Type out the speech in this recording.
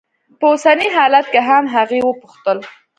په اوسني حالت کې هم؟ هغې وپوښتل.